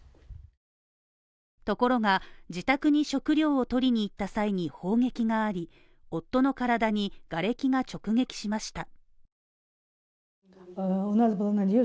ところが、自宅に食料を取りに行った際に砲撃があり夫の体にがれきが直撃しました。